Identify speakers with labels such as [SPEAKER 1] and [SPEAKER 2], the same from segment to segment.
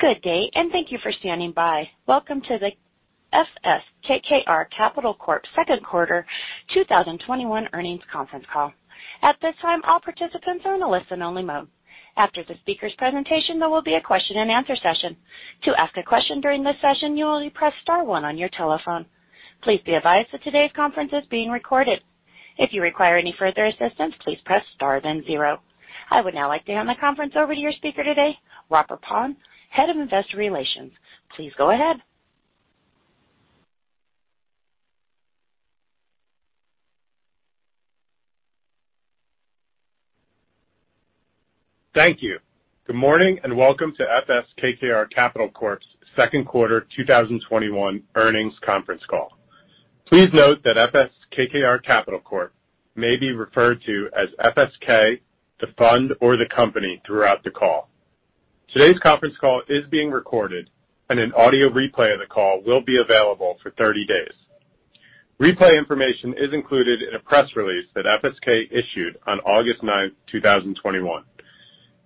[SPEAKER 1] Good day, and thank you for standing by. Welcome to the FS KKR Capital Corp's second quarter 2021 earnings conference call. At this time, all participants are in a listen-only mode. After the speaker's presentation, there will be a question-and-answer session. To ask a question during this session, you will press star one on your telephone. Please be advised that today's conference is being recorded. If you require any further assistance, please press star then zero. I would now like to hand the conference over to your speaker today, Robert Paun, Head of Investor Relations. Please go ahead.
[SPEAKER 2] Thank you. Good morning and welcome to FS KKR Capital Corp's second quarter 2021 earnings conference call. Please note that FS KKR Capital Corp may be referred to as FSK, the fund, or the company throughout the call. Today's conference call is being recorded, and an audio replay of the call will be available for 30 days. Replay information is included in a press release that FSK issued on August 9, 2021.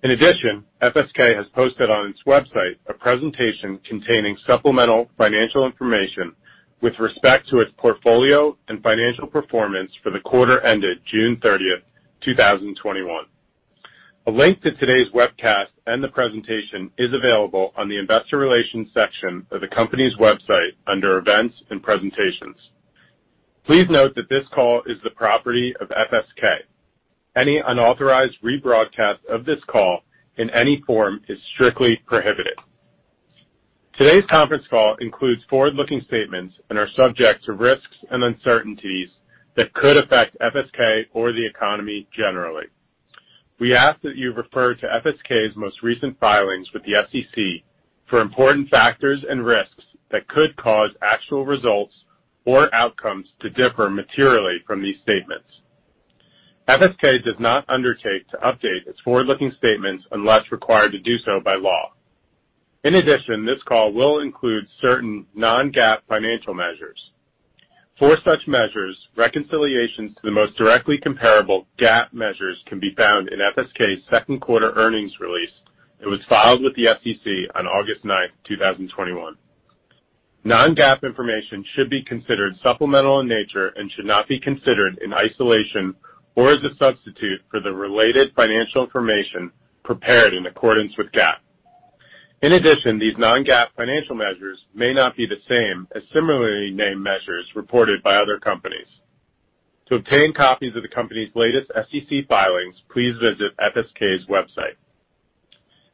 [SPEAKER 2] In addition, FSK has posted on its website a presentation containing supplemental financial information with respect to its portfolio and financial performance for the quarter ended June 30, 2021. A link to today's webcast and the presentation is available on the investor relations section of the company's website under events and presentations. Please note that this call is the property of FSK. Any unauthorized rebroadcast of this call in any form is strictly prohibited. Today's conference call includes forward-looking statements and are subject to risks and uncertainties that could affect FSK or the economy generally. We ask that you refer to FSK's most recent filings with the SEC for important factors and risks that could cause actual results or outcomes to differ materially from these statements. FSK does not undertake to update its forward-looking statements unless required to do so by law. In addition, this call will include certain non-GAAP financial measures. For such measures, reconciliations to the most directly comparable GAAP measures can be found in FSK's second quarter earnings release that was filed with the SEC on August 9, 2021. Non-GAAP information should be considered supplemental in nature and should not be considered in isolation or as a substitute for the related financial information prepared in accordance with GAAP. In addition, these non-GAAP financial measures may not be the same as similarly named measures reported by other companies. To obtain copies of the company's latest SEC filings, please visit FSK's website.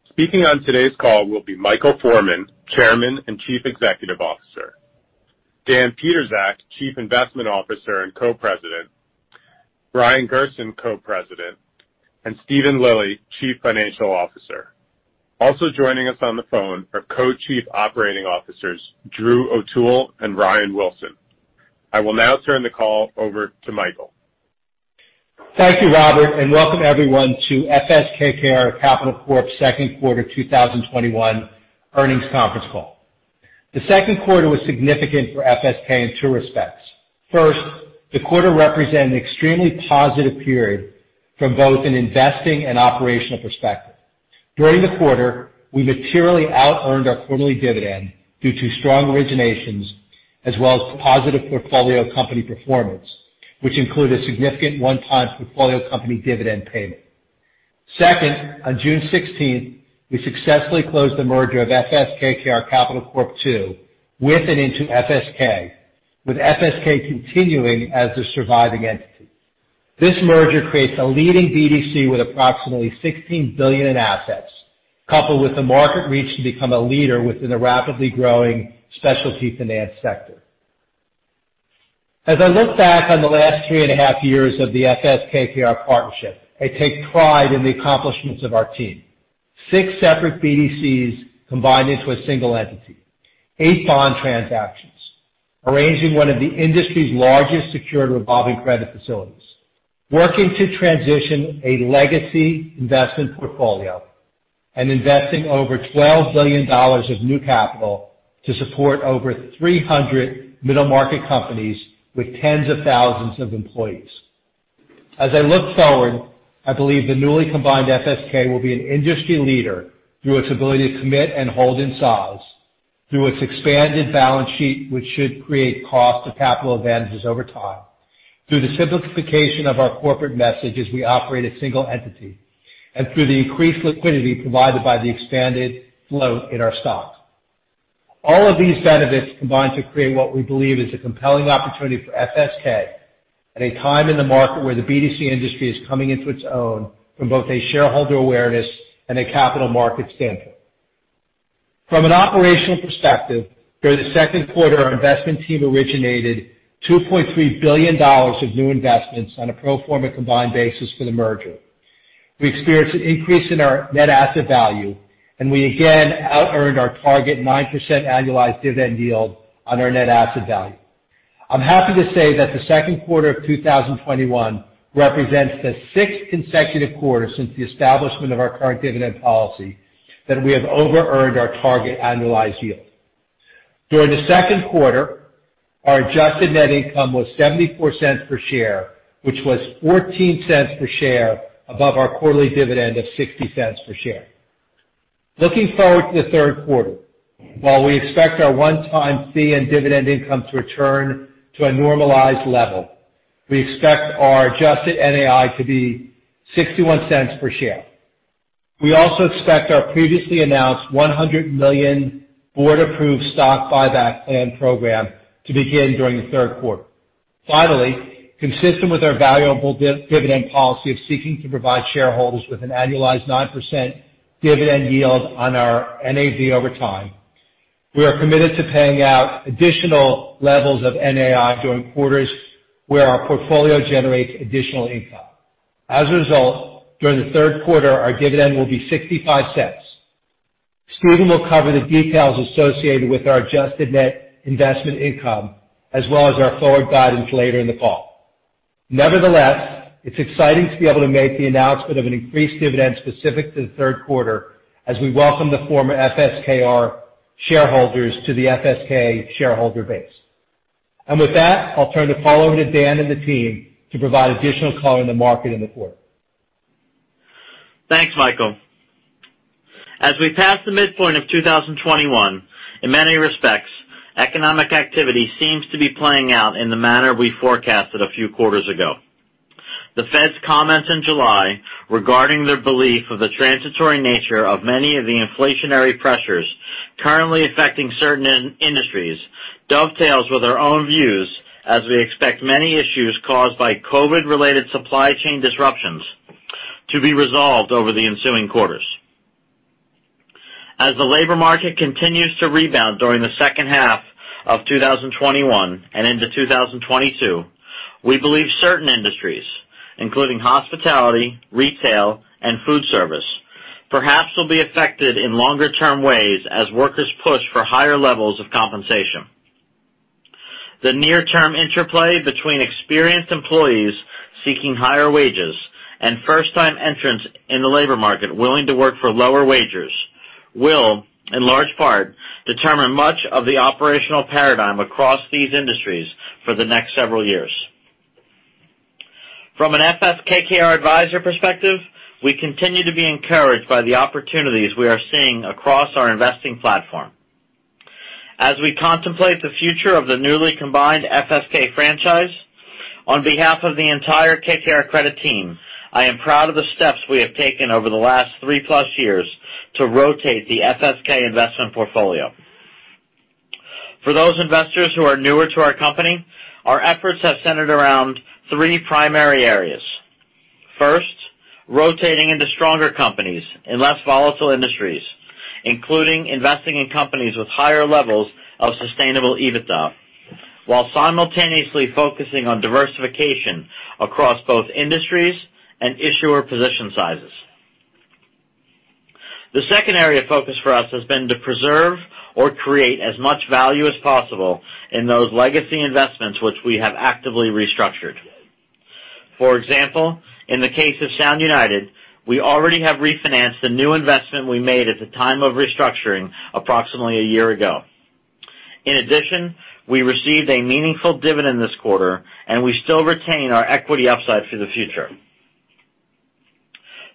[SPEAKER 2] Speaking on today's call will be Michael Forman, Chairman and Chief Executive Officer, Dan Pietrzak, Chief Investment Officer and Co-President, Brian Gerson, Co-President, and Steven Lilly, Chief Financial Officer. Also joining us on the phone are Co-Chief Operating Officers, Drew O'Toole and Ryan Wilson. I will now turn the call over to Michael.
[SPEAKER 3] Thank you, Robert, and welcome everyone to FS KKR Capital Corp's second quarter 2021 earnings conference call. The second quarter was significant for FSK in two respects. First, the quarter represented an extremely positive period from both an investing and operational perspective. During the quarter, we materially out-earned our quarterly dividend due to strong originations as well as positive portfolio company performance, which included a significant one times portfolio company dividend payment. Second, on June 16, we successfully closed the merger of FS KKR Capital Corp II with and into FSK, with FSK continuing as the surviving entity. This merger creates a leading BDC with approximately $16 billion in assets, coupled with the market reach to become a leader within the rapidly growing specialty finance sector. As I look back on the last three and a half years of the FS KKR partnership, I take pride in the accomplishments of our team: six separate BDCs combined into a single entity, eight bond transactions, arranging one of the industry's largest secured revolving credit facilities, working to transition a legacy investment portfolio, and investing over $12 billion of new capital to support over 300 middle market companies with tens of thousands of employees. As I look forward, I believe the newly combined FSK will be an industry leader through its ability to commit and hold in size, through its expanded balance sheet, which should create cost of capital advantages over time, through the simplification of our corporate message as we operate a single entity, and through the increased liquidity provided by the expanded float in our stock. All of these benefits combine to create what we believe is a compelling opportunity for FSK at a time in the market where the BDC industry is coming into its own from both a shareholder awareness and a capital market standpoint. From an operational perspective, during the second quarter, our investment team originated $2.3 billion of new investments on a pro forma combined basis for the merger. We experienced an increase in our net asset value, and we again out-earned our target nine% annualized dividend yield on our net asset value. I'm happy to say that the second quarter of 2021 represents the sixth consecutive quarter since the establishment of our current dividend policy that we have over-earned our target annualized yield. During the second quarter, our adjusted net income was $0.74 per share, which was $0.14 per share above our quarterly dividend of $0.60 per share. Looking forward to the third quarter, while we expect our one times fee and dividend income to return to a normalized level, we expect our adjusted NII to be $0.61 per share. We also expect our previously announced $100 million board-approved stock buyback plan program to begin during the third quarter. Finally, consistent with our variable dividend policy of seeking to provide shareholders with an annualized 9% dividend yield on our NAV over time, we are committed to paying out additional levels of NII during quarters where our portfolio generates additional income. As a result, during the third quarter, our dividend will be $0.65. Steven will cover the details associated with our adjusted net investment income as well as our forward guidance later in the call. Nevertheless, it's exciting to be able to make the announcement of an increased dividend specific to the third quarter, and with that, I'll turn the call over to Dan and the team to provide additional color in the market in the quarter.
[SPEAKER 4] Thanks, Michael. As we pass the midpoint of 2021, in many respects, economic activity seems to be playing out in the manner we forecasted a few quarters ago. The Fed's comments in July regarding their belief of the transitory nature of many of the inflationary pressures currently affecting certain industries dovetails with our own views as we expect many issues caused by COVID-related supply chain disruptions to be resolved over the ensuing quarters. As the labor market continues to rebound during the second half of 2021 and into 2022, we believe certain industries, including hospitality, retail, and food service, perhaps will be affected in longer-term ways as workers push for higher levels of compensation. The near-term interplay between experienced employees seeking higher wages and first-time entrants in the labor market willing to work for lower wages will, in large part, determine much of the operational paradigm across these industries for the next several years. From an FS/KKR Advisor perspective, we continue to be encouraged by the opportunities we are seeing across our investing platform. As we contemplate the future of the newly combined FSK franchise, on behalf of the entire KKR Credit team, I am proud of the steps we have taken over the last three-plus years to rotate the FSK investment portfolio. For those investors who are newer to our company, our efforts have centered around three primary areas. First, rotating into stronger companies in less volatile industries, including investing in companies with higher levels of sustainable EBITDA, while simultaneously focusing on diversification across both industries and issuer position sizes. The second area of focus for us has been to preserve or create as much value as possible in those legacy investments which we have actively restructured. For example, in the case of Sound United, we already have refinanced the new investment we made at the time of restructuring approximately a year ago. In addition, we received a meaningful dividend this quarter, and we still retain our equity upside for the future.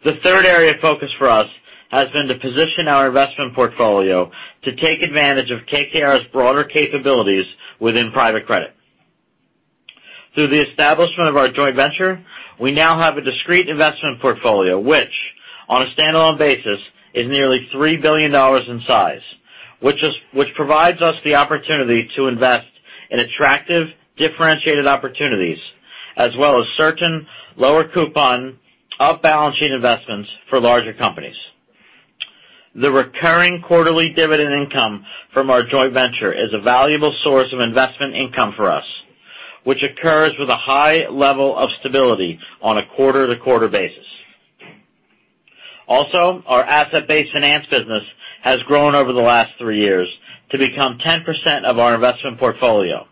[SPEAKER 4] The third area of focus for us has been to position our investment portfolio to take advantage of KKR's broader capabilities within private credit. Through the establishment of our joint venture, we now have a discrete investment portfolio which, on a standalone basis, is nearly $3 billion in size, which provides us the opportunity to invest in attractive, differentiated opportunities as well as certain lower-coupon, on-balance sheet investments for larger companies. The recurring quarterly dividend income from our joint venture is a valuable source of investment income for us, which occurs with a high level of stability on a quarter-to-quarter basis. Also, our asset-based finance business has grown over the last three years to become 10% of our investment portfolio.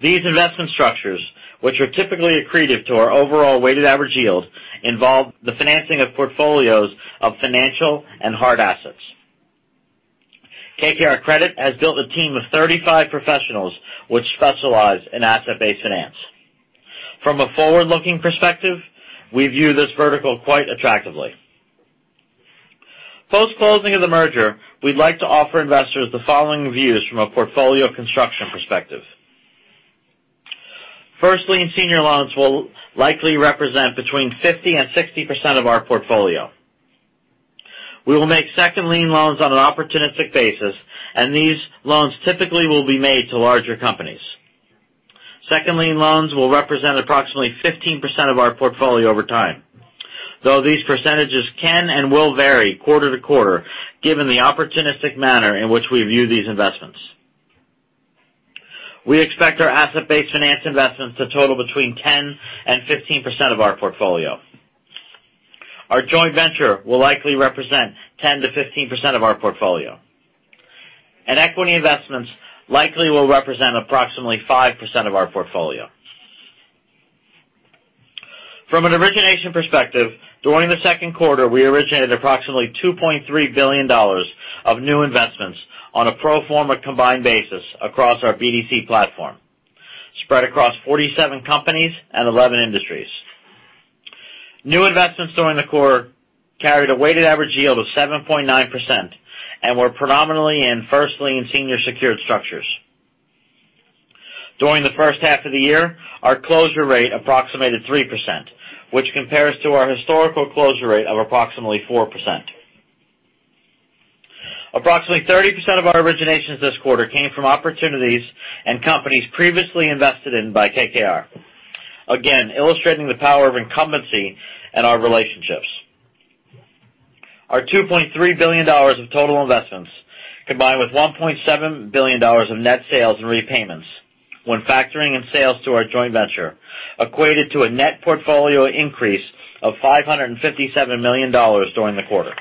[SPEAKER 4] These investment structures, which are typically accretive to our overall weighted average yield, involve the financing of portfolios of financial and hard assets. KKR Credit has built a team of 35 professionals which specialize in asset-based finance. From a forward-looking perspective, we view this vertical quite attractively. Post-closing of the merger, we'd like to offer investors the following views from a portfolio construction perspective. First lien senior loans will likely represent between 50 and 60% of our portfolio. We will make second lien loans on an opportunistic basis, and these loans typically will be made to larger companies. Second lien loans will represent approximately 15% of our portfolio over time, though these percentages can and will vary quarter to quarter given the opportunistic manner in which we view these investments. We expect our asset-based finance investments to total between 10% and 15% of our portfolio. Our joint venture will likely represent 10%-15% of our portfolio. Equity investments likely will represent approximately 5% of our portfolio. From an origination perspective, during the second quarter, we originated approximately $2.3 billion of new investments on a pro forma combined basis across our BDC platform, spread across 47 companies and 11 industries. New investments during the quarter carried a weighted average yield of 7.9% and were predominantly in first lien senior secured structures. During the first half of the year, our closure rate approximated 3%, which compares to our historical closure rate of approximately 4%. Approximately 30% of our originations this quarter came from opportunities and companies previously invested in by KKR, again illustrating the power of incumbency and our relationships. Our $2.3 billion of total investments combined with $1.7 billion of net sales and repayments, when factoring in sales to our joint venture, equated to a net portfolio increase of $557 million during the quarter.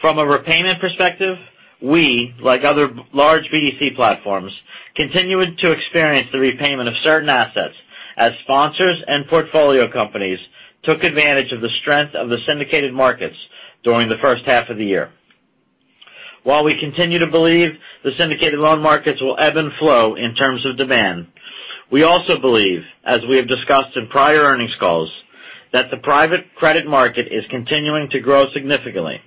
[SPEAKER 4] From a repayment perspective, we, like other large BDC platforms, continued to experience the repayment of certain assets as sponsors and portfolio companies took advantage of the strength of the syndicated markets during the first half of the year. While we continue to believe the syndicated loan markets will ebb and flow in terms of demand, we also believe, as we have discussed in prior earnings calls, that the private credit market is continuing to grow significantly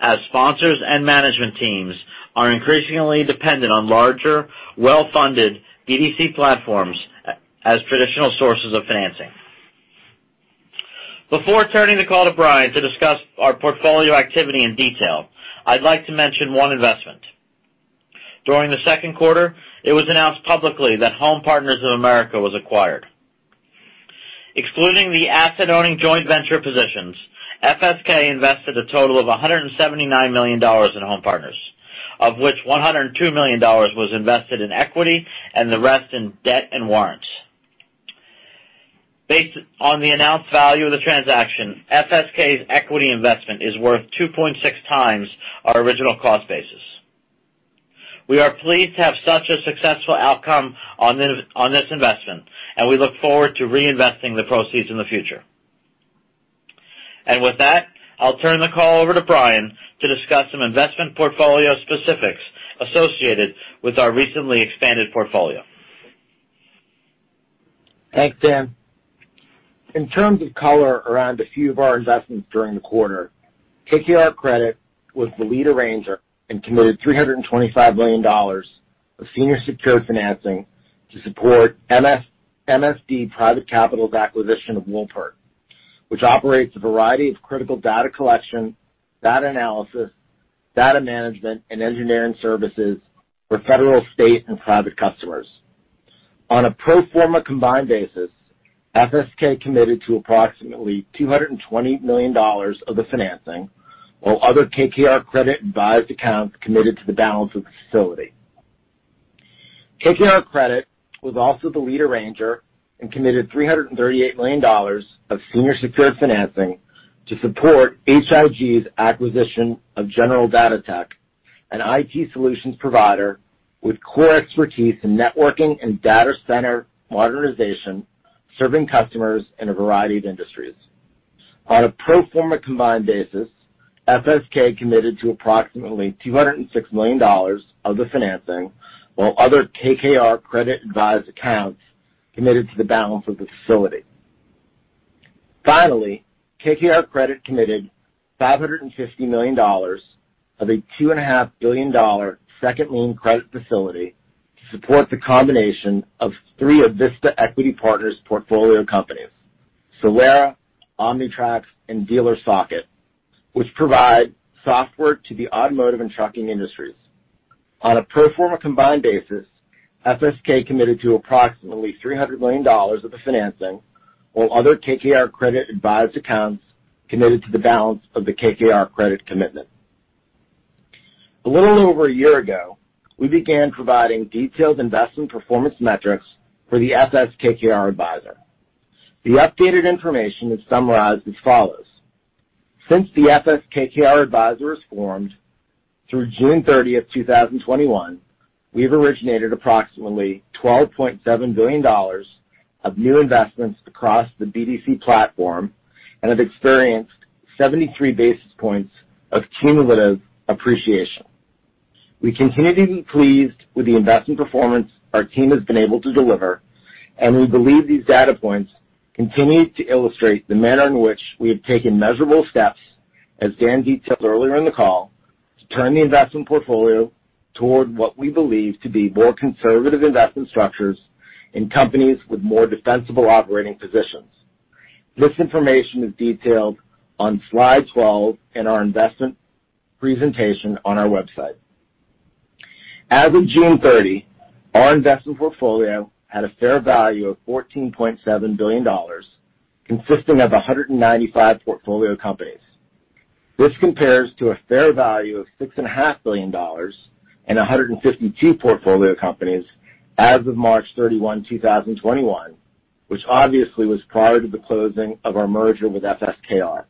[SPEAKER 4] as sponsors and management teams are increasingly dependent on larger, well-funded BDC platforms as traditional sources of financing. Before turning the call to Brian to discuss our portfolio activity in detail, I'd like to mention one investment. During the second quarter, it was announced publicly that Home Partners of America was acquired. Excluding the asset-owning joint venture positions, FSK invested a total of $179 million in Home Partners, of which $102 million was invested in equity and the rest in debt and warrants. Based on the announced value of the transaction, FSK's equity investment is worth 2.6 times our original cost basis. We are pleased to have such a successful outcome on this investment, and we look forward to reinvesting the proceeds in the future, and with that, I'll turn the call over to Brian to discuss some investment portfolio specifics associated with our recently expanded portfolio.
[SPEAKER 5] Thanks, Dan. In terms of color around a few of our investments during the quarter, KKR Credit was the lead arranger and committed $325 million of senior secured financing to support MSD Private Capital's acquisition of Woolpert, which operates a variety of critical data collection, data analysis, data management, and engineering services for federal, state, and private customers. On a pro forma combined basis, FSK committed to approximately $220 million of the financing, while other KKR Credit advised accounts committed to the balance of the facility. KKR Credit was also the lead arranger and committed $338 million of senior secured financing to support H.I.G.'s acquisition of General Datatech, an IT solutions provider with core expertise in networking and data center modernization, serving customers in a variety of industries. On a pro forma combined basis, FSK committed to approximately $206 million of the financing, while other KKR Credit advised accounts committed to the balance of the facility. Finally, KKR Credit committed $550 million of a $2.5 billion second lien credit facility to support the combination of three of Vista Equity Partners' portfolio companies, Solera, OmniTRAX, and DealerSocket, which provide software to the automotive and trucking industries. On a pro forma combined basis, FSK committed to approximately $300 million of the financing, while other KKR Credit advised accounts committed to the balance of the KKR Credit commitment. A little over a year ago, we began providing detailed investment performance metrics for the FS/KKR Advisor. The updated information is summarized as follows: Since the FS/KKR Advisor was formed through June 30, 2021, we've originated approximately $12.7 billion of new investments across the BDC platform and have experienced 73 basis points of cumulative appreciation. We continue to be pleased with the investment performance our team has been able to deliver, and we believe these data points continue to illustrate the manner in which we have taken measurable steps, as Dan detailed earlier in the call, to turn the investment portfolio toward what we believe to be more conservative investment structures in companies with more defensible operating positions. This information is detailed on slide 12 in our investment presentation on our website. As of June 30, our investment portfolio had a fair value of $14.7 billion, consisting of 195 portfolio companies. This compares to a fair value of $6.5 billion and 152 portfolio companies as of March 31, 2021, which obviously was prior to the closing of our merger with FS KKR.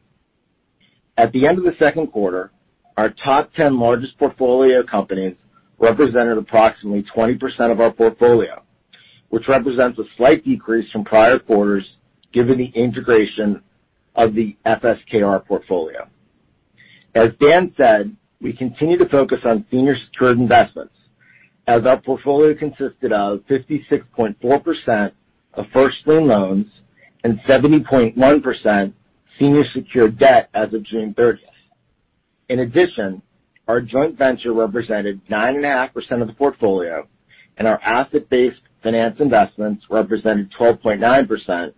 [SPEAKER 5] At the end of the second quarter, our top 10 largest portfolio companies represented approximately 20% of our portfolio, which represents a slight decrease from prior quarters given the integration of the FS KKR portfolio. As Dan said, we continue to focus on senior secured investments, as our portfolio consisted of 56.4% of first lien loans and 70.1% senior secured debt as of June 30. In addition, our joint venture represented 9.5% of the portfolio, and our asset-based finance investments represented 12.9%,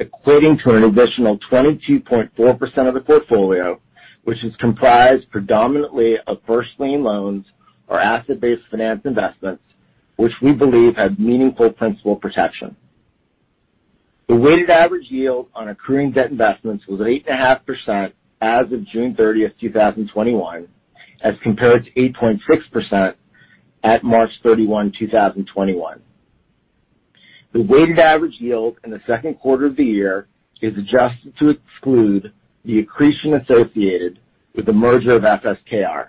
[SPEAKER 5] equating to an additional 22.4% of the portfolio, which is comprised predominantly of first lien loans or asset-based finance investments, which we believe have meaningful principal protection. The weighted average yield on accruing debt investments was 8.5% as of June 30, 2021, as compared to 8.6% at March 31, 2021. The weighted average yield in the second quarter of the year is adjusted to exclude the accretion associated with the merger of FS KKR.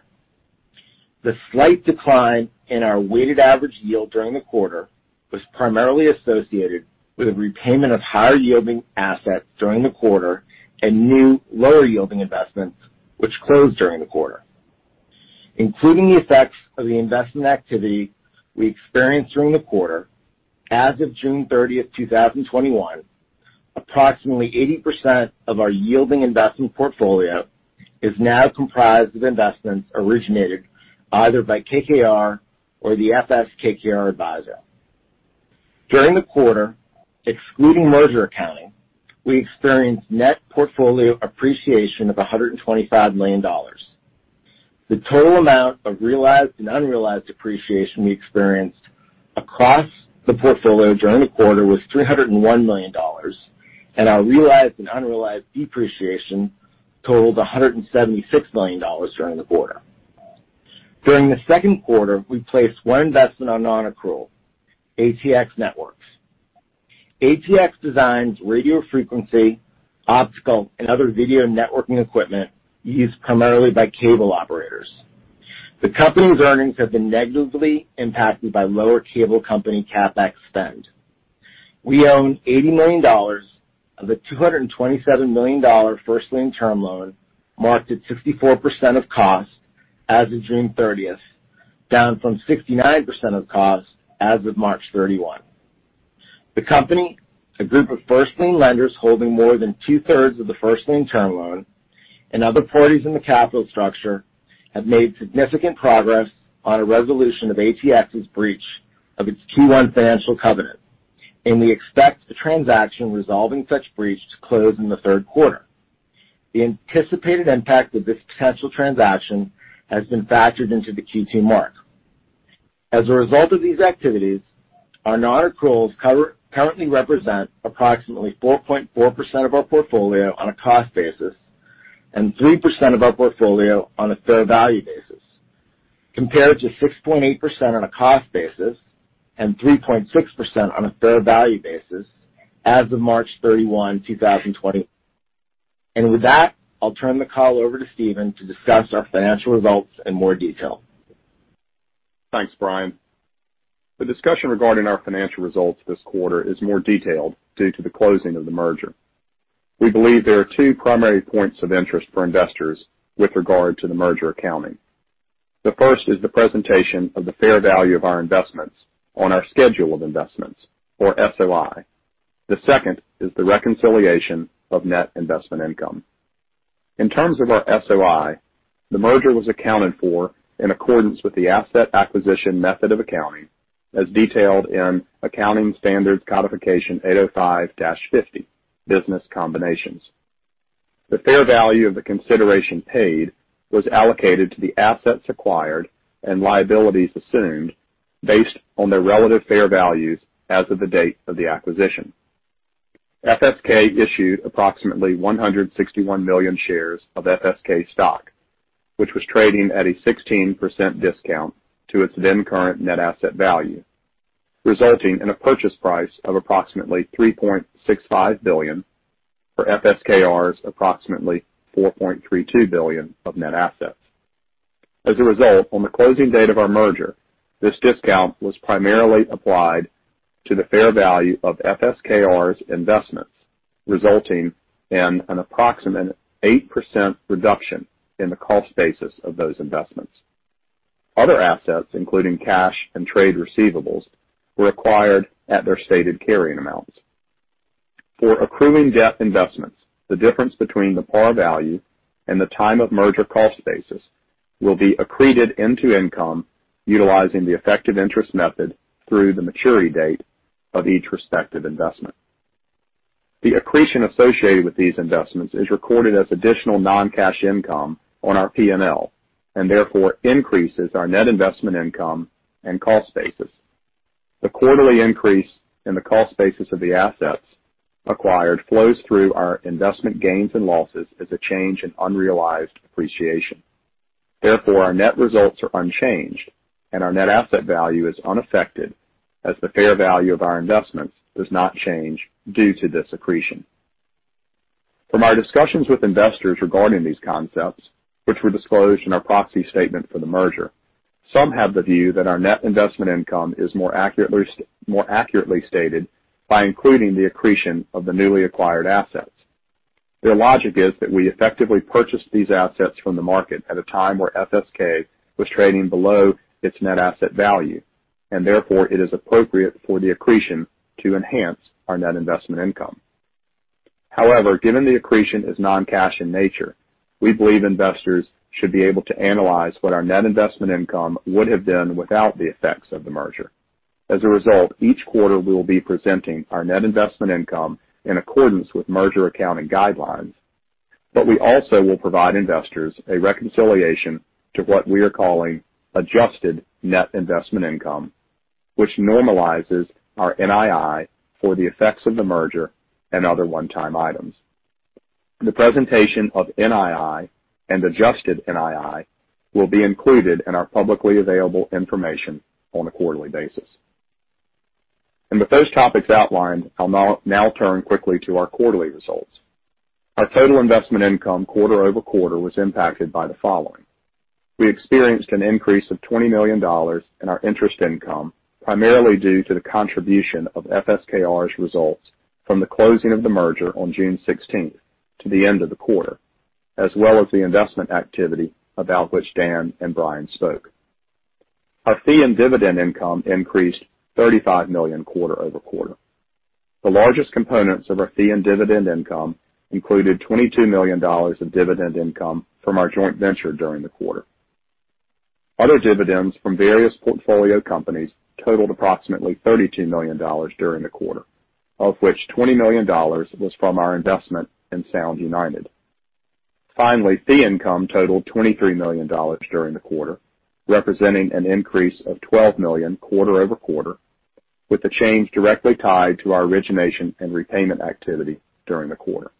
[SPEAKER 5] The slight decline in our weighted average yield during the quarter was primarily associated with the repayment of higher-yielding assets during the quarter and new lower-yielding investments which closed during the quarter. Including the effects of the investment activity we experienced during the quarter, as of June 30, 2021, approximately 80% of our yielding investment portfolio is now comprised of investments originated either by KKR or the FS/KKR Advisor. During the quarter, excluding merger accounting, we experienced net portfolio appreciation of $125 million. The total amount of realized and unrealized appreciation we experienced across the portfolio during the quarter was $301 million, and our realized and unrealized depreciation totaled $176 million during the quarter. During the second quarter, we placed one investment on non-accrual, ATX Networks. ATX designs radio frequency, optical, and other video networking equipment used primarily by cable operators. The company's earnings have been negatively impacted by lower cable company CapEx spend. We own $80 million of a $227 million first lien term loan marked at 64% of cost as of June 30, down from 69% of cost as of March 31. The company, a group of first lien lenders holding more than two-thirds of the first lien term loan, and other parties in the capital structure have made significant progress on a resolution of ATX's breach of its Q1 financial covenant, and we expect a transaction resolving such breach to close in the third quarter. The anticipated impact of this potential transaction has been factored into the Q2 mark. As a result of these activities, our non-accruals currently represent approximately 4.4% of our portfolio on a cost basis and 3% of our portfolio on a fair value basis, compared to 6.8% on a cost basis and 3.6% on a fair value basis as of March 31, 2021. And with that, I'll turn the call over to Steven to discuss our financial results in more detail.
[SPEAKER 6] Thanks, Brian. The discussion regarding our financial results this quarter is more detailed due to the closing of the merger. We believe there are two primary points of interest for investors with regard to the merger accounting. The first is the presentation of the fair value of our investments on our schedule of investments, or SOI. The second is the reconciliation of net investment income. In terms of our SOI, the merger was accounted for in accordance with the asset acquisition method of accounting, as detailed in Accounting Standards Codification 805-50, Business Combinations. The fair value of the consideration paid was allocated to the assets acquired and liabilities assumed based on their relative fair values as of the date of the acquisition. FSK issued approximately 161 million shares of FSK stock, which was trading at a 16% discount to its then current net asset value, resulting in a purchase price of approximately $3.65 billion for FSKR's approximately $4.32 billion of net assets. As a result, on the closing date of our merger, this discount was primarily applied to the fair value of FSKR's investments, resulting in an approximate 8% reduction in the cost basis of those investments. Other assets, including cash and trade receivables, were acquired at their stated carrying amounts. For accruing debt investments, the difference between the par value and the time of merger cost basis will be accreted into income utilizing the effective interest method through the maturity date of each respective investment. The accretion associated with these investments is recorded as additional non-cash income on our P&L and therefore increases our net investment income and cost basis. The quarterly increase in the cost basis of the assets acquired flows through our investment gains and losses as a change in unrealized appreciation. Therefore, our net results are unchanged, and our net asset value is unaffected as the fair value of our investments does not change due to this accretion. From our discussions with investors regarding these concepts, which were disclosed in our proxy statement for the merger, some have the view that our net investment income is more accurately stated by including the accretion of the newly acquired assets. Their logic is that we effectively purchased these assets from the market at a time where FSK was trading below its net asset value, and therefore it is appropriate for the accretion to enhance our net investment income. However, given the accretion is non-cash in nature, we believe investors should be able to analyze what our net investment income would have been without the effects of the merger. As a result, each quarter we will be presenting our net investment income in accordance with merger accounting guidelines, but we also will provide investors a reconciliation to what we are calling adjusted net investment income, which normalizes our NII for the effects of the merger and other one time items. The presentation of NII and adjusted NII will be included in our publicly available information on a quarterly basis. In the first topics outlined, I'll now turn quickly to our quarterly results. Our total investment income quarter over quarter was impacted by the following. We experienced an increase of $20 million in our interest income, primarily due to the contribution of FSKR's results from the closing of the merger on June 16 to the end of the quarter, as well as the investment activity about which Dan and Brian spoke. Our fee and dividend income increased $35 million quarter over quarter. The largest components of our fee and dividend income included $22 million of dividend income from our joint venture during the quarter. Other dividends from various portfolio companies totaled approximately $32 million during the quarter, of which $20 million was from our investment in Sound United. Finally, fee income totaled $23 million during the quarter, representing an increase of $12 million quarter over quarter, with the change directly tied to our origination and repayment activity during the quarter.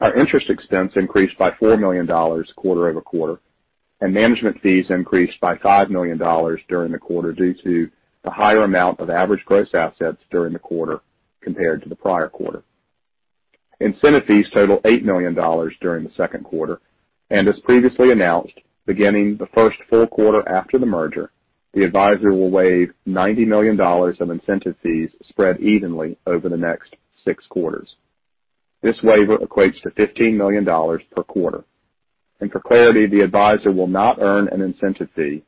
[SPEAKER 6] Our interest expense increased by $4 million quarter over quarter, and management fees increased by $5 million during the quarter due to the higher amount of average gross assets during the quarter compared to the prior quarter. Incentive fees totaled $8 million during the second quarter, and as previously announced, beginning the first full quarter after the merger, the advisor will waive $90 million of incentive fees spread evenly over the next six quarters. This waiver equates to $15 million per quarter. And for clarity, the advisor will not earn an incentive fee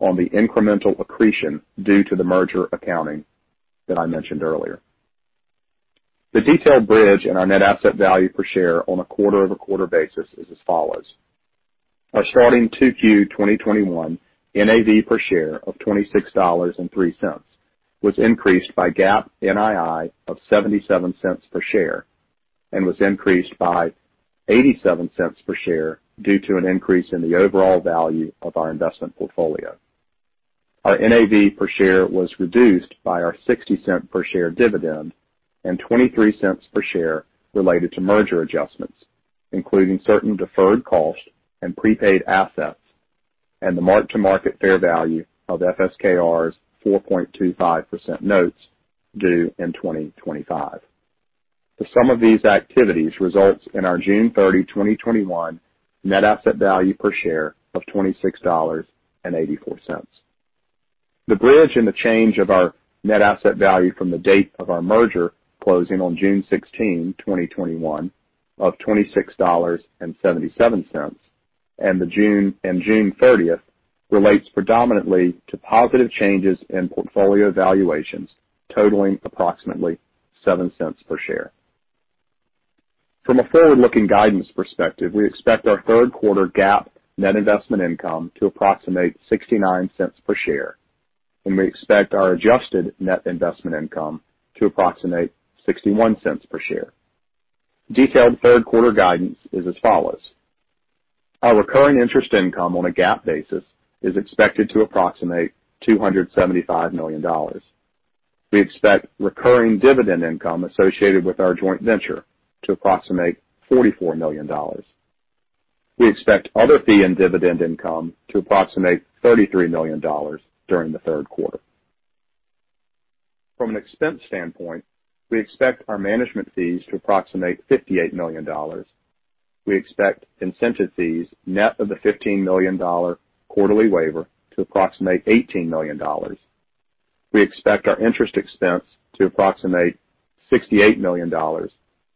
[SPEAKER 6] on the incremental accretion due to the merger accounting that I mentioned earlier. The detailed bridge in our net asset value per share on a quarter over quarter basis is as follows. Our starting Q2 2021 NAV per share of $26.03 was increased by GAAP NII of $0.77 per share and was increased by $0.87 per share due to an increase in the overall value of our investment portfolio. Our NAV per share was reduced by our $0.60 per share dividend and $0.23 per share related to merger adjustments, including certain deferred cost and prepaid assets and the mark-to-market fair value of FSKR's 4.25% notes due in 2025. The sum of these activities results in our June 30, 2021, net asset value per share of $26.84. The bridge and the change of our net asset value from the date of our merger closing on June 16, 2021, of $26.77 and June 30 relates predominantly to positive changes in portfolio valuations totaling approximately $0.07 per share. From a forward-looking guidance perspective, we expect our third quarter GAAP net investment income to approximate $0.69 per share, and we expect our adjusted net investment income to approximate $0.61 per share. Detailed third quarter guidance is as follows. Our recurring interest income on a GAAP basis is expected to approximate $275 million. We expect recurring dividend income associated with our joint venture to approximate $44 million. We expect other fee and dividend income to approximate $33 million during the third quarter. From an expense standpoint, we expect our management fees to approximate $58 million. We expect incentive fees net of the $15 million quarterly waiver to approximate $18 million. We expect our interest expense to approximate $68 million,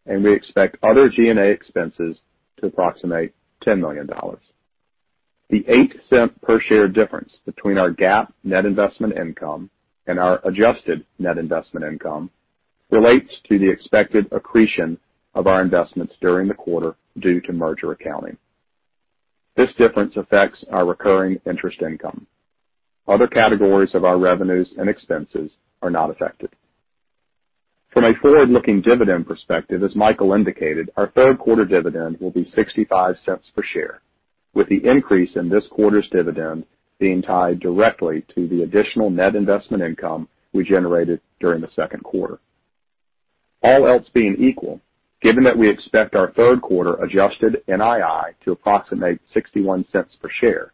[SPEAKER 6] and we expect other G&A expenses to approximate $10 million. The $0.08 per share difference between our GAAP net investment income and our adjusted net investment income relates to the expected accretion of our investments during the quarter due to merger accounting. This difference affects our recurring interest income. Other categories of our revenues and expenses are not affected. From a forward-looking dividend perspective, as Michael indicated, our third quarter dividend will be $0.65 per share, with the increase in this quarter's dividend being tied directly to the additional net investment income we generated during the second quarter. All else being equal, given that we expect our third quarter adjusted NII to approximate $0.61 per share,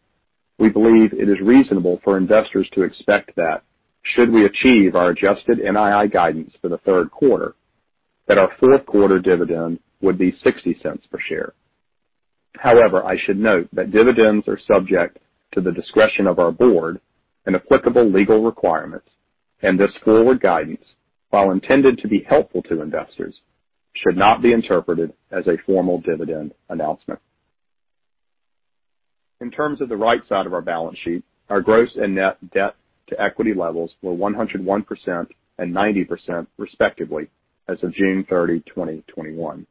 [SPEAKER 6] we believe it is reasonable for investors to expect that, should we achieve our adjusted NII guidance for the third quarter, that our fourth quarter dividend would be $0.60 per share. However, I should note that dividends are subject to the discretion of our board and applicable legal requirements, and this forward guidance, while intended to be helpful to investors, should not be interpreted as a formal dividend announcement. In terms of the right side of our balance sheet, our gross and net debt to equity levels were 101% and 90% respectively as of June 30, 2021.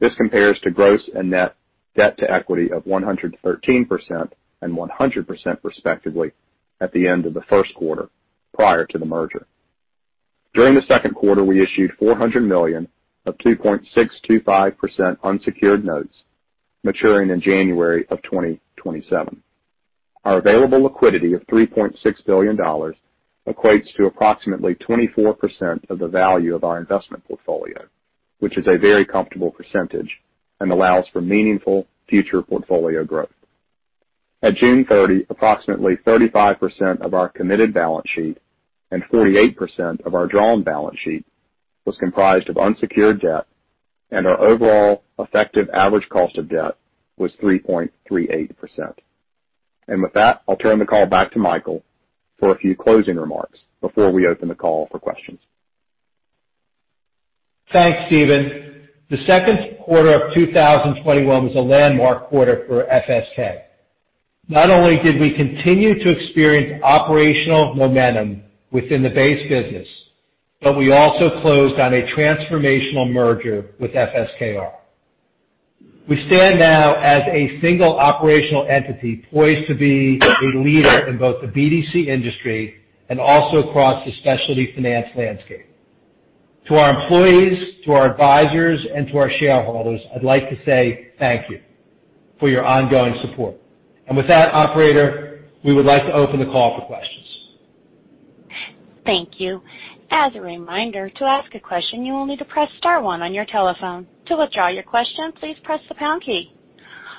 [SPEAKER 6] This compares to gross and net debt to equity of 113% and 100% respectively at the end of the first quarter prior to the merger. During the second quarter, we issued $400 million of 2.625% unsecured notes, maturing in January of 2027. Our available liquidity of $3.6 billion equates to approximately 24% of the value of our investment portfolio, which is a very comfortable percentage and allows for meaningful future portfolio growth. At June 30, approximately 35% of our committed balance sheet and 48% of our drawn balance sheet was comprised of unsecured debt, and our overall effective average cost of debt was 3.38%, and with that, I'll turn the call back to Michael for a few closing remarks before we open the call for questions.
[SPEAKER 3] Thanks, Steven. The second quarter of 2021 was a landmark quarter for FSK. Not only did we continue to experience operational momentum within the base business, but we also closed on a transformational merger with FSKR. We stand now as a single operational entity poised to be a leader in both the BDC industry and also across the specialty finance landscape. To our employees, to our advisors, and to our shareholders, I'd like to say thank you for your ongoing support. And with that, Operator, we would like to open the call for questions.
[SPEAKER 1] Thank you. As a reminder, to ask a question, you will need to press star one on your telephone. To withdraw your question, please press the pound key.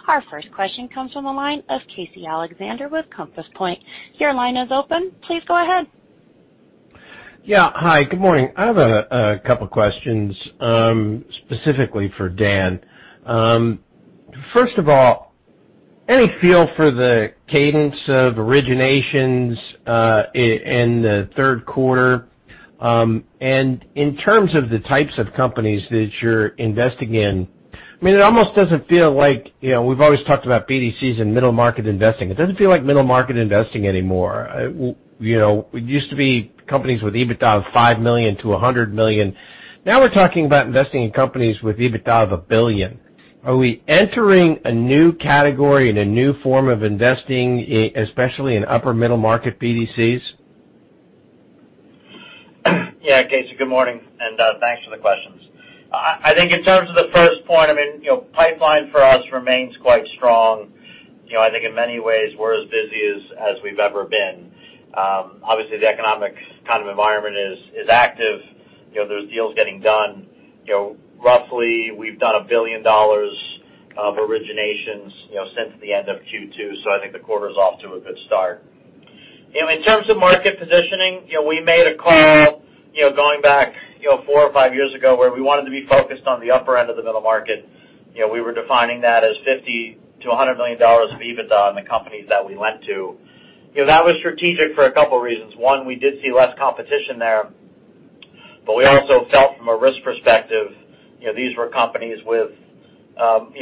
[SPEAKER 1] Our first question comes from the line of Casey Alexander with Compass Point. Your line is open. Please go ahead. Yeah. Hi. Good morning. I have a couple of questions specifically for Dan. First of all, any feel for the cadence of originations in the third quarter? And in terms of the types of companies that you're investing in, I mean, it almost doesn't feel like we've always talked about BDCs and middle market investing. It doesn't feel like middle market investing anymore. It used to be companies with EBITDA of $5 million-$100 million. Now we're talking about investing in companies with EBITDA of a billion. Are we entering a new category and a new form of investing, especially in upper middle market BDCs?
[SPEAKER 4] Yeah. Casey, good morning, and thanks for the questions. I think in terms of the first point, I mean, pipeline for us remains quite strong. I think in many ways, we're as busy as we've ever been. Obviously, the economic kind of environment is active. There's deals getting done. Roughly, we've done $1 billion of originations since the end of Q2, so I think the quarter is off to a good start. In terms of market positioning, we made a call going back four or five years ago where we wanted to be focused on the upper end of the middle market. We were defining that as $50-$100 million of EBITDA on the companies that we lent to. That was strategic for a couple of reasons. One, we did see less competition there, but we also felt, from a risk perspective, these were companies with,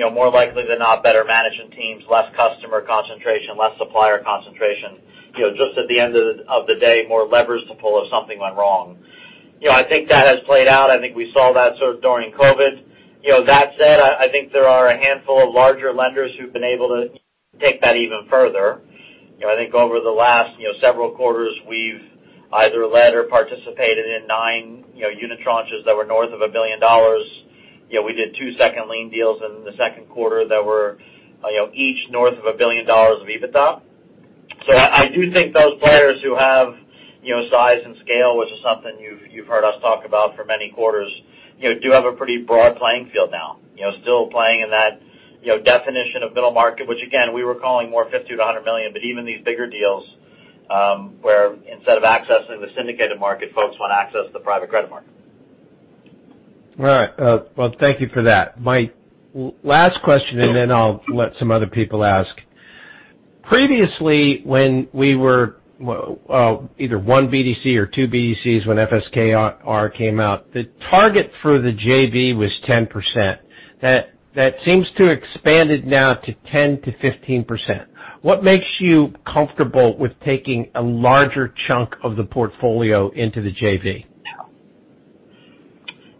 [SPEAKER 4] more likely than not, better management teams, less customer concentration, less supplier concentration. Just at the end of the day, more levers to pull if something went wrong. I think that has played out. I think we saw that sort of during COVID. That said, I think there are a handful of larger lenders who've been able to take that even further. I think over the last several quarters, we've either led or participated in nine unit tranches that were north of a billion dollars. We did two second lien deals in the second quarter that were each north of a billion dollars of EBITDA. So I do think those players who have size and scale, which is something you've heard us talk about for many quarters, do have a pretty broad playing field now, still playing in that definition of middle market, which, again, we were calling more $50-$100 million, but even these bigger deals where, instead of accessing the syndicated market, folks want to access the private credit market. All right. Thank you for that. My last question, and then I'll let some other people ask. Previously, when we were either one BDC or two BDCs, when FSKR came out, the target for the JV was 10%. That seems to have expanded now to 10%-15%. What makes you comfortable with taking a larger chunk of the portfolio into the JV?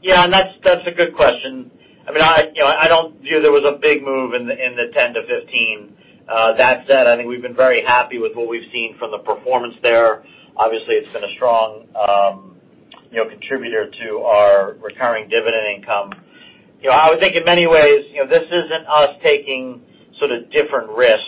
[SPEAKER 7] Yeah, and that's a good question. I mean, I don't view there was a big move in the 10 to 15. That said, I think we've been very happy with what we've seen from the performance there. Obviously, it's been a strong contributor to our recurring dividend income. I would think, in many ways, this isn't us taking sort of different risk.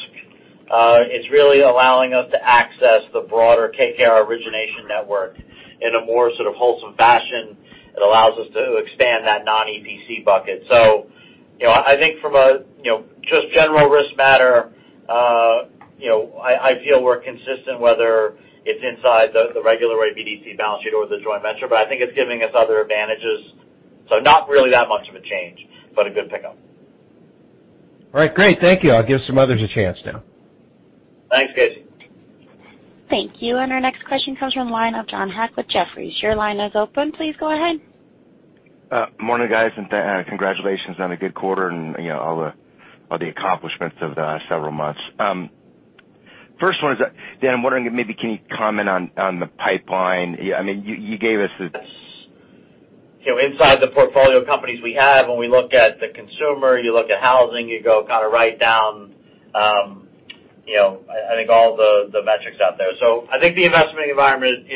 [SPEAKER 7] It's really allowing us to access the broader KKR origination network in a more sort of wholesale fashion. It allows us to expand that non-EPC bucket. So I think, from just a general risk matter, I feel we're consistent, whether it's inside the regular rated BDC balance sheet or the joint venture, but I think it's giving us other advantages. So not really that much of a change, but a good pickup. All right. Great. Thank you. I'll give some others a chance now.
[SPEAKER 4] Thanks, Casey.
[SPEAKER 1] Thank you. And our next question comes from the line of John Hecht with Jefferies. Your line is open. Please go ahead.
[SPEAKER 8] Morning, guys, and congratulations on a good quarter and all the accomplishments of the several months. First one is, Dan. I'm wondering if maybe can you comment on the pipeline. I mean, you gave us.
[SPEAKER 4] That's inside the portfolio companies we have. When we look at the consumer, you look at housing, you go kind of right down, I think, all the metrics out there. So I think the investment environment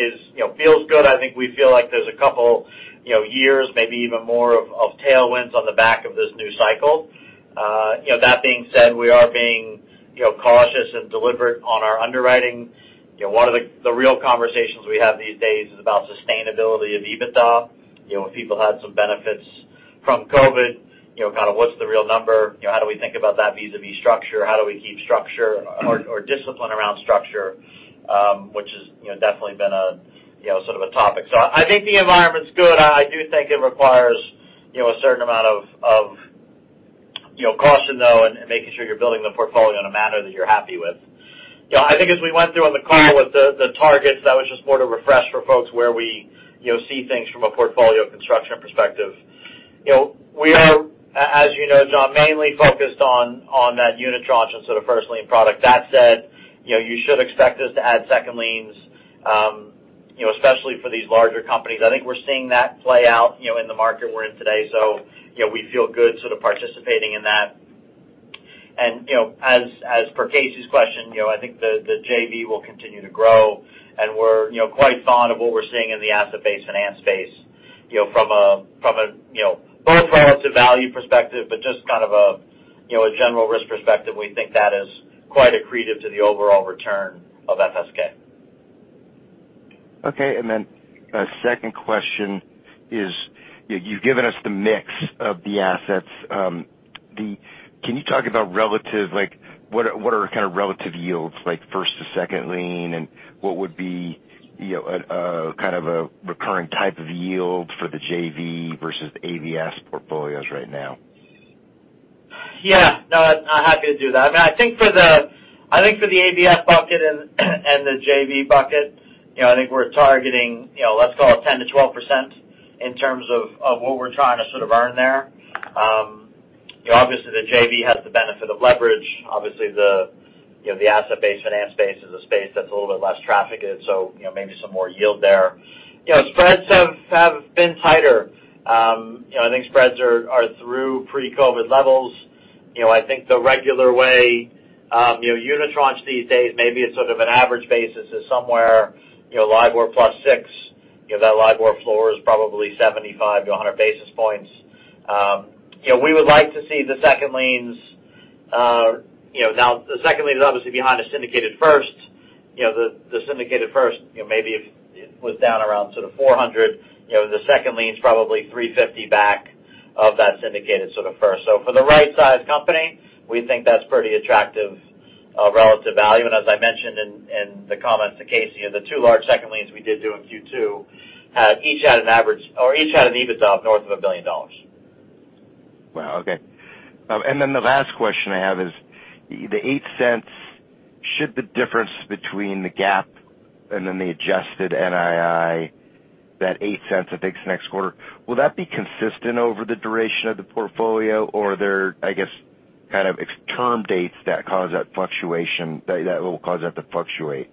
[SPEAKER 4] feels good. I think we feel like there's a couple of years, maybe even more, of tailwinds on the back of this new cycle. That being said, we are being cautious and deliberate on our underwriting. One of the real conversations we have these days is about sustainability of EBITDA. If people had some benefits from COVID, kind of what's the real number? How do we think about that vis-à-vis structure? How do we keep structure or discipline around structure, which has definitely been sort of a topic? So I think the environment's good. I do think it requires a certain amount of caution, though, and making sure you're building the portfolio in a manner that you're happy with. I think, as we went through on the call with the targets, that was just more to refresh for folks where we see things from a portfolio construction perspective. We are, as you know, John, mainly focused on that unit tranche instead of first lien product. That said, you should expect us to add second liens, especially for these larger companies. I think we're seeing that play out in the market we're in today, so we feel good sort of participating in that. As per Casey's question, I think the JV will continue to grow, and we're quite fond of what we're seeing in the asset-based finance space from both relative value perspective, but just kind of a general risk perspective, we think that is quite accretive to the overall return of FSK.
[SPEAKER 8] Okay. And then a second question is, you've given us the mix of the assets. Can you talk about relative? What are kind of relative yields, like first- to second-lien, and what would be kind of a recurring type of yield for the JV versus the ABS portfolios right now?
[SPEAKER 4] Yeah. No, I'm happy to do that. I mean, I think for the ABS bucket and the JV bucket, I think we're targeting, let's call it, 10%-12% in terms of what we're trying to sort of earn there. Obviously, the JV has the benefit of leverage. Obviously, the asset-based finance space is a space that's a little bit less traffic, so maybe some more yield there. Spreads have been tighter. I think spreads are through pre-COVID levels. I think the regular way, unit tranche these days, maybe it's sort of an average basis is somewhere LIBOR plus six. That LIBOR floor is probably 75-100 basis points. We would like to see the second liens now, the second lien is obviously behind a syndicated first. The syndicated first, maybe if it was down around sort of 400, the second lien's probably 350 back of that syndicated sort of first. So for the right-sized company, we think that's pretty attractive relative value, and as I mentioned in the comments to Casey, the two large second liens we did do in Q2 each had an average or each had an EBITDA of north of a billion dollars.
[SPEAKER 8] Wow. Okay. And then the last question I have is, the $0.08, should the difference between the GAAP and then the adjusted NII, that $0.08, I think, is next quarter, will that be consistent over the duration of the portfolio, or are there, I guess, kind of term dates that cause that fluctuation that will cause that to fluctuate?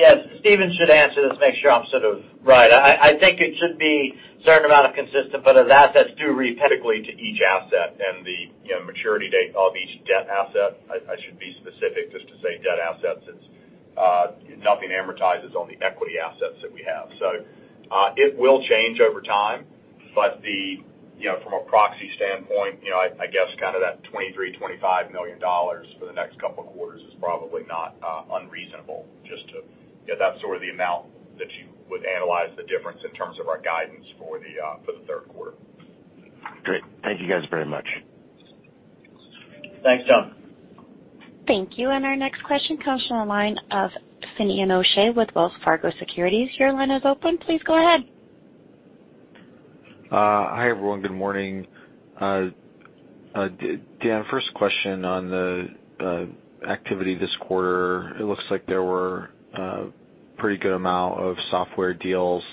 [SPEAKER 4] Yes. Steven should answer this to make sure I'm sort of right. I think it should be a certain amount of consistent, but that's due respectively to each asset and the maturity date of each debt asset. I should be specific just to say debt assets. Nothing amortizes on the equity assets that we have. So it will change over time, but from a proxy standpoint, I guess kind of that $23-$25 million for the next couple of quarters is probably not unreasonable just to get that sort of the amount that you would analyze the difference in terms of our guidance for the third quarter.
[SPEAKER 8] Great. Thank you guys very much.
[SPEAKER 4] Thanks, John.
[SPEAKER 1] Thank you. And our next question comes from the line of Finian O'Shea with Wells Fargo Securities. Your line is open. Please go ahead.
[SPEAKER 9] Hi, everyone. Good morning. Dan, first question on the activity this quarter, it looks like there were a pretty good amount of software deals.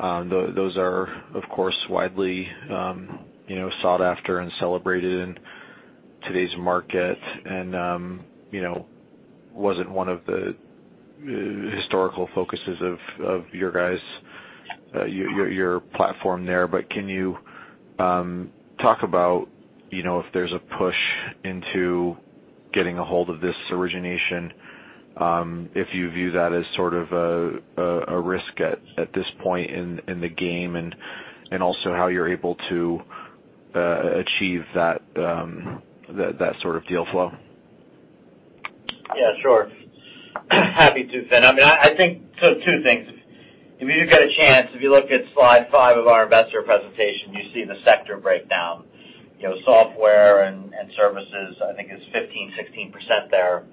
[SPEAKER 9] Those are, of course, widely sought after and celebrated in today's market and wasn't one of the historical focuses of your guys, your platform there. But can you talk about if there's a push into getting a hold of this origination, if you view that as sort of a risk at this point in the game, and also how you're able to achieve that sort of deal flow?
[SPEAKER 4] Yeah. Sure. Happy to, Finian. I mean, I think sort of two things. If you get a chance, if you look at slide five of our investor presentation, you see the sector breakdown. Software and services, I think, is 15%-16% there.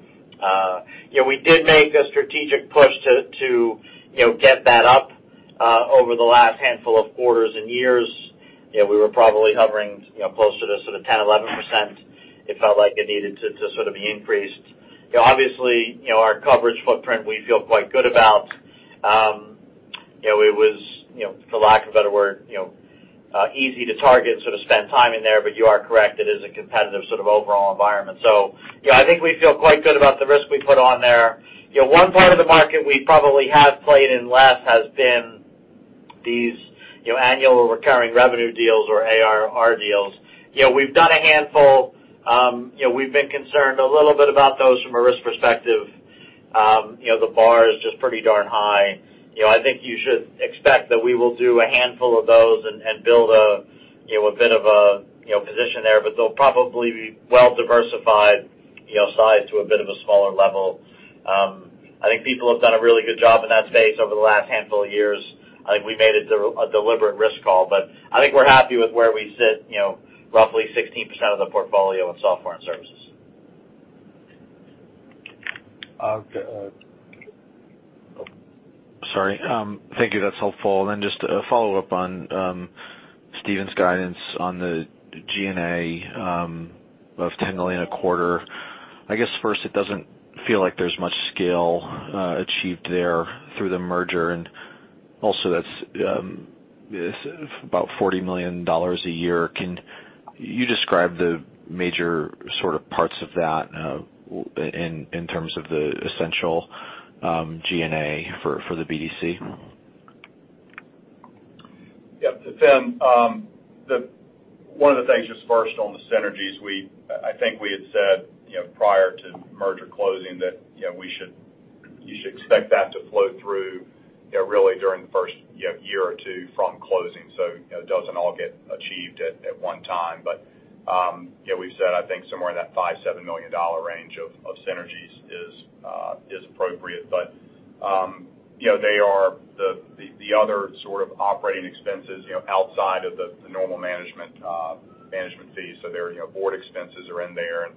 [SPEAKER 4] We did make a strategic push to get that up over the last handful of quarters and years. We were probably hovering closer to sort of 10%-11%. It felt like it needed to sort of be increased. Obviously, our coverage footprint, we feel quite good about. It was, for lack of a better word, easy to target, sort of spend time in there, but you are correct. It is a competitive sort of overall environment. So I think we feel quite good about the risk we put on there. One part of the market we probably have played in less has been these annual recurring revenue deals or ARR deals. We've done a handful. We've been concerned a little bit about those from a risk perspective. The bar is just pretty darn high. I think you should expect that we will do a handful of those and build a bit of a position there, but they'll probably be well-diversified sized to a bit of a smaller level. I think people have done a really good job in that space over the last handful of years. I think we made it a deliberate risk call, but I think we're happy with where we sit, roughly 16% of the portfolio in software and services.
[SPEAKER 9] Sorry. Thank you. That's helpful. And then just a follow-up on Steven's guidance on the G&A of $10 million a quarter. I guess, first, it doesn't feel like there's much scale achieved there through the merger, and also that's about $40 million a year. Can you describe the major sort of parts of that in terms of the essential G&A for the BDC?
[SPEAKER 4] Yep. Finn, one of the things just first on the synergies. I think we had said prior to merger closing that you should expect that to flow through really during the first year or two from closing. So it doesn't all get achieved at one time, but we've said, I think, somewhere in that $5-$7 million range of synergies is appropriate. But they are the other sort of operating expenses outside of the normal management fees. So their board expenses are in there and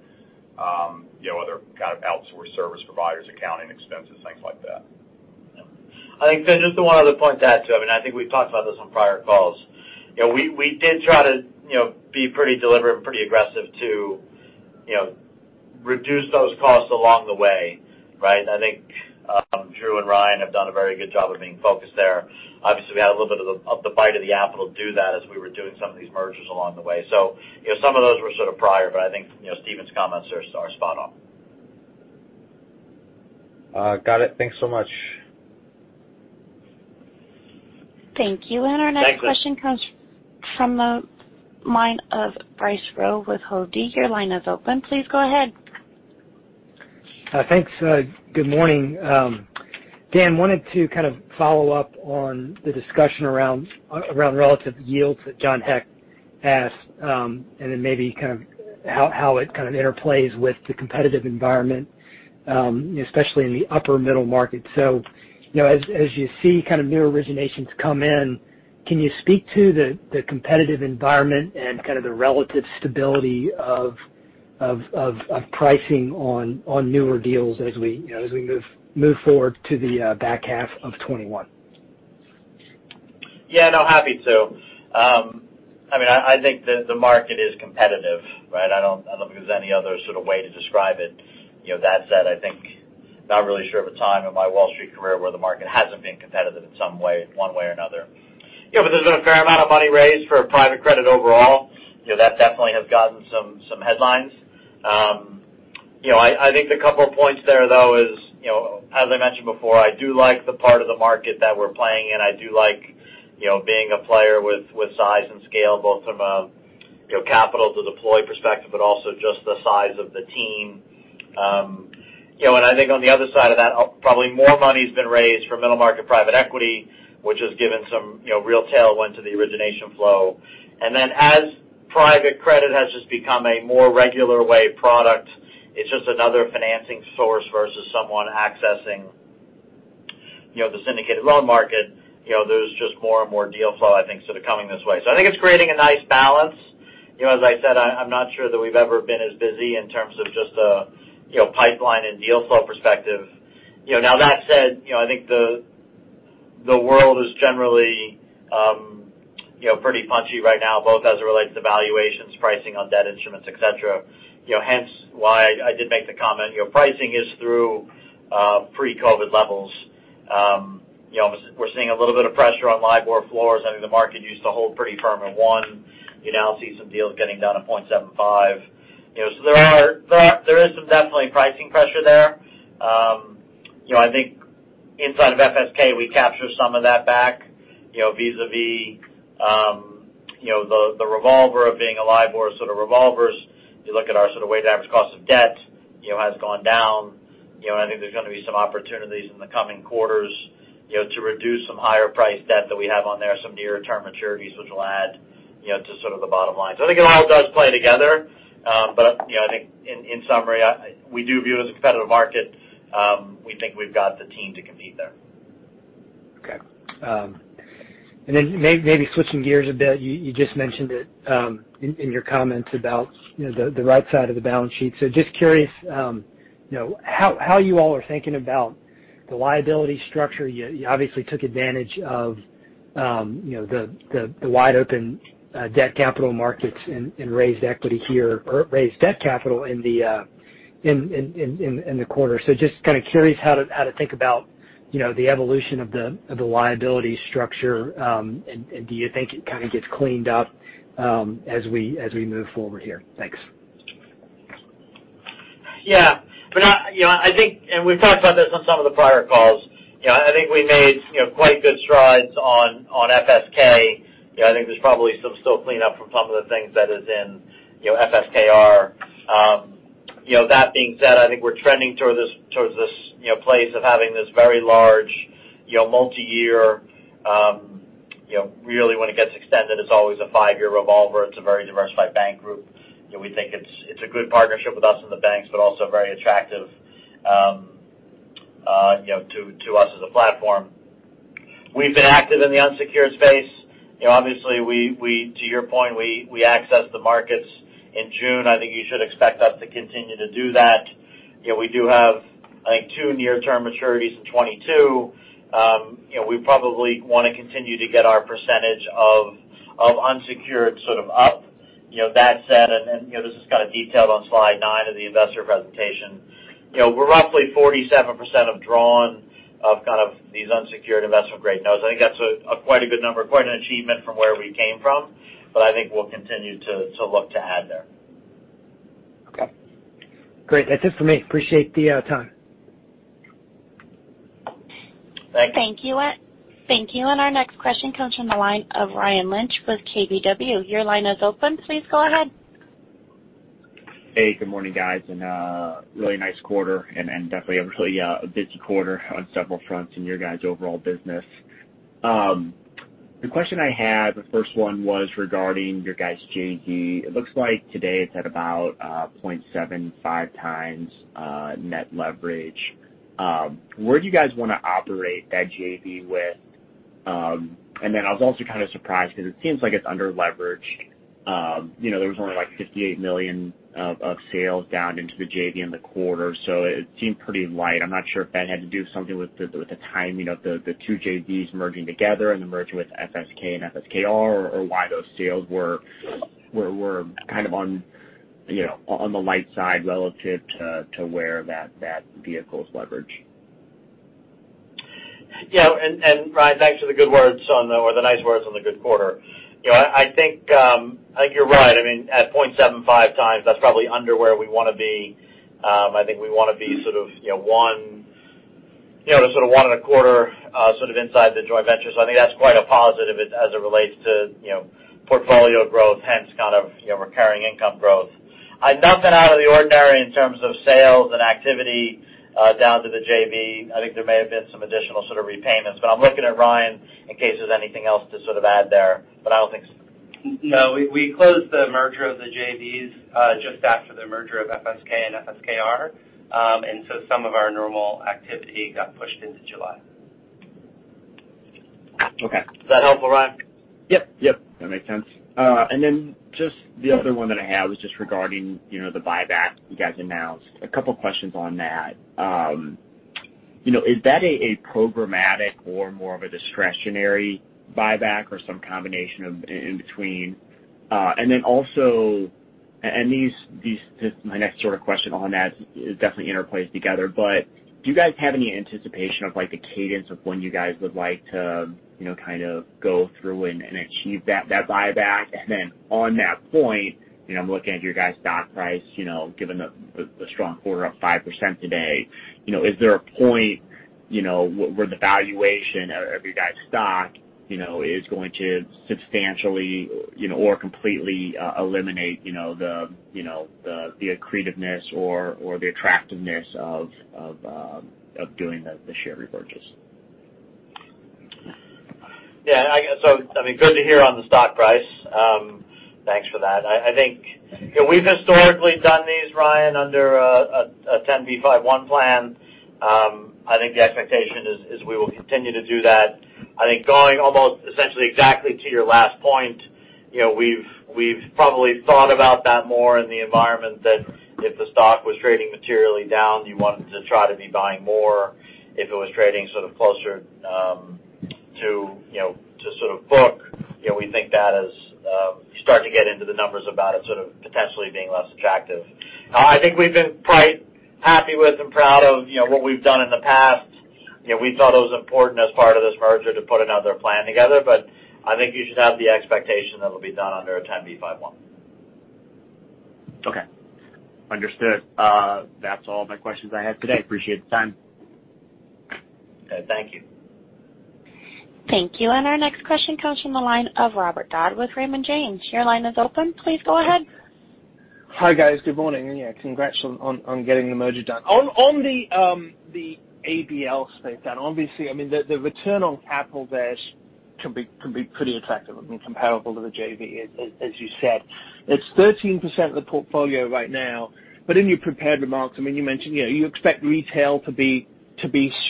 [SPEAKER 4] other kind of outsourced service providers, accounting expenses, things like that. I think, Finn, just to one other point to add to. I mean, I think we've talked about this on prior calls. We did try to be pretty deliberate and pretty aggressive to reduce those costs along the way, right? I think Drew and Ryan have done a very good job of being focused there. Obviously, we had a little bit of the bite of the apple to do that as we were doing some of these mergers along the way. So some of those were sort of prior, but I think Steven's comments are spot on.
[SPEAKER 9] Got it. Thanks so much.
[SPEAKER 1] Thank you. And our next question comes from the line of Bryce Rowe with Hovde. Your line is open. Please go ahead.
[SPEAKER 10] Thanks. Good morning. Dan, wanted to kind of follow up on the discussion around relative yields that John Hecht asked, and then maybe kind of how it kind of interplays with the competitive environment, especially in the upper middle market. So as you see kind of new originations come in, can you speak to the competitive environment and kind of the relative stability of pricing on newer deals as we move forward to the back half of 2021?
[SPEAKER 4] Yeah. No, happy to. I mean, I think the market is competitive, right? I don't think there's any other sort of way to describe it. That said, I think I'm not really sure of a time in my Wall Street career where the market hasn't been competitive in some way, one way or another. But there's been a fair amount of money raised for private credit overall. That definitely has gotten some headlines. I think the couple of points there, though, is, as I mentioned before, I do like the part of the market that we're playing in. I do like being a player with size and scale, both from a capital-to-deploy perspective, but also just the size of the team. And I think on the other side of that, probably more money has been raised for middle-market private equity, which has given some real tailwind to the origination flow. And then, as private credit has just become a more regular way, product, it's just another financing source versus someone accessing the syndicated loan market. There's just more and more deal flow, I think, sort of coming this way, so I think it's creating a nice balance. As I said, I'm not sure that we've ever been as busy in terms of just a pipeline and deal flow perspective. Now, that said, I think the world is generally pretty punchy right now, both as it relates to valuations, pricing on debt instruments, etc. Hence why I did make the comment. Pricing is through pre-COVID levels. We're seeing a little bit of pressure on LIBOR floors. I think the market used to hold pretty firm at one. You now see some deals getting done at 0.75, so there is some definitely pricing pressure there. I think inside of FSK, we capture some of that back vis-à-vis the revolver of being a LIBOR sort of revolver. You look at our sort of weighted average cost of debt has gone down. I think there's going to be some opportunities in the coming quarters to reduce some higher-priced debt that we have on there, some near-term maturities, which will add to sort of the bottom line. So I think it all does play together. But I think in summary, we do view it as a competitive market. We think we've got the team to compete there.
[SPEAKER 10] Okay. And then maybe switching gears a bit, you just mentioned it in your comments about the right side of the balance sheet. So just curious how you all are thinking about the liability structure. You obviously took advantage of the wide-open debt capital markets and raised equity here or raised debt capital in the quarter. So just kind of curious how to think about the evolution of the liability structure. And do you think it kind of gets cleaned up as we move forward here? Thanks.
[SPEAKER 4] Yeah. I think, and we've talked about this on some of the prior calls, I think we made quite good strides on FSK. I think there's probably some still cleanup from some of the things that is in FSKR. That being said, I think we're trending towards this place of having this very large multi-year. Really, when it gets extended, it's always a five-year revolver. It's a very diversified bank group. We think it's a good partnership with us and the banks, but also very attractive to us as a platform. We've been active in the unsecured space. Obviously, to your point, we accessed the markets in June. I think you should expect us to continue to do that. We do have, I think, two near-term maturities in 2022. We probably want to continue to get our percentage of unsecured sort of up. That said, and this is kind of detailed on slide nine of the investor presentation, we're roughly 47% have drawn of kind of these unsecured investment grade notes. I think that's quite a good number, quite an achievement from where we came from, but I think we'll continue to look to add there.
[SPEAKER 10] Okay. Great. That's it for me. Appreciate the time.
[SPEAKER 4] Thanks.
[SPEAKER 1] Thank you. And our next question comes from the line of Ryan Lynch with KBW. Your line is open. Please go ahead.
[SPEAKER 11] Hey. Good morning, guys. And really nice quarter and definitely a really busy quarter on several fronts in your guys' overall business. The question I had, the first one was regarding your guys' JV. It looks like today it's at about 0.75 times net leverage. Where do you guys want to operate that JV with? And then I was also kind of surprised because it seems like it's under-leveraged. There was only like $58 million of sales down into the JV in the quarter. So it seemed pretty light. I'm not sure if that had to do something with the timing of the two JVs merging together and the merger with FSK and FSKR or why those sales were kind of on the light side relative to where that vehicle's leveraged.
[SPEAKER 4] Yeah, and Ryan, thanks for the good words or the nice words on the good quarter. I think you're right. I mean, at 0.75 times, that's probably under where we want to be. I think we want to be sort of one to sort of one and a quarter sort of inside the joint venture. So I think that's quite a positive as it relates to portfolio growth, hence kind of recurring income growth. Nothing out of the ordinary in terms of sales and activity down to the JV. I think there may have been some additional sort of repayments, but I'm looking at Ryan in case there's anything else to sort of add there, but I don't think so. No. We closed the merger of the JVs just after the merger of FSK and FSKR. And so some of our normal activity got pushed into July.
[SPEAKER 11] Okay.
[SPEAKER 4] Is that helpful, Ryan?
[SPEAKER 11] Yep. Yep. That makes sense. And then just the other one that I have is just regarding the buyback you guys announced. A couple of questions on that. Is that a programmatic or more of a discretionary buyback or some combination in between? And then also, and this is my next sort of question on that is definitely interplayed together, but do you guys have any anticipation of the cadence of when you guys would like to kind of go through and achieve that buyback? And then on that point, I'm looking at your guys' stock price given the strong quarter up 5% today. Is there a point where the valuation of your guys' stock is going to substantially or completely eliminate the accretiveness or the attractiveness of doing the share repurchase?
[SPEAKER 4] Yeah. So I mean, good to hear on the stock price. Thanks for that. I think we've historically done these, Ryan, under a 10b5-1 plan. I think the expectation is we will continue to do that. I think going almost essentially exactly to your last point, we've probably thought about that more in the environment that if the stock was trading materially down, you wanted to try to be buying more. If it was trading sort of closer to sort of book, we think that as you start to get into the numbers about it sort of potentially being less attractive. I think we've been quite happy with and proud of what we've done in the past. We thought it was important as part of this merger to put another plan together, but I think you should have the expectation that it'll be done under a 10b5-1.
[SPEAKER 11] Okay. Understood. That's all of my questions I had today. Appreciate the time.
[SPEAKER 4] Okay. Thank you.
[SPEAKER 1] Thank you. Our next question comes from the line of Robert Dodd with Raymond James. Your line is open. Please go ahead.
[SPEAKER 12] Hi guys. Good morning. Yeah, congrats on getting the merger done. On the ABL space, obviously, I mean, the return on capital there can be pretty attractive and comparable to the JV, as you said. It's 13% of the portfolio right now. In your prepared remarks, I mean, you mentioned you expect retail to be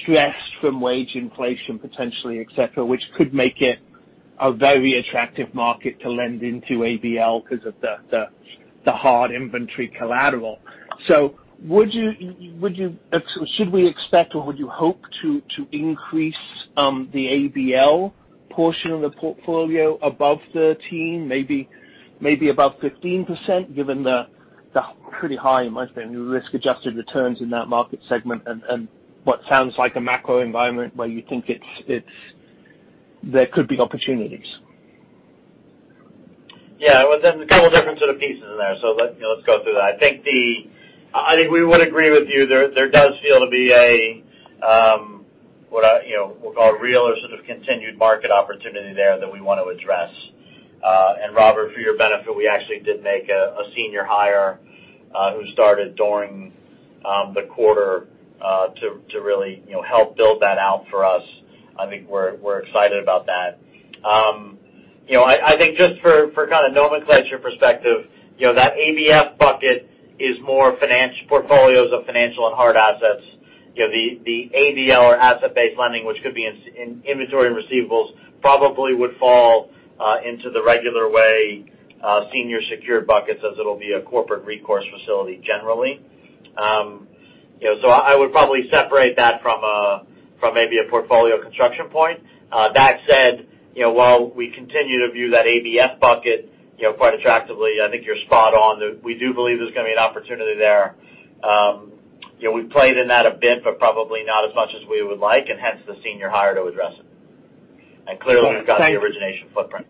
[SPEAKER 12] stressed from wage inflation potentially, etc., which could make it a very attractive market to lend into ABL because of the hard inventory collateral. Should we expect or would you hope to increase the ABL portion of the portfolio above 13, maybe above 15%, given the pretty high, in my opinion, risk-adjusted returns in that market segment and what sounds like a macro environment where you think there could be opportunities?
[SPEAKER 4] Yeah. There's a couple of different sort of pieces in there. So let's go through that. I think we would agree with you. There does feel to be a what we'll call a real or sort of continued market opportunity there that we want to address. And Robert, for your benefit, we actually did make a senior hire who started during the quarter to really help build that out for us. I think we're excited about that. I think just for kind of nomenclature perspective, that ABF bucket is more portfolios of financial and hard assets. The ABL or asset-based lending, which could be in inventory and receivables, probably would fall into the regular way senior secured buckets as it'll be a corporate recourse facility generally. So I would probably separate that from maybe a portfolio construction point. That said, while we continue to view that ABF bucket quite attractively, I think you're spot on. We do believe there's going to be an opportunity there. We've played in that a bit, but probably not as much as we would like, and hence the senior hire to address it. And clearly, we've got the origination footprint.